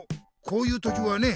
こういう時はね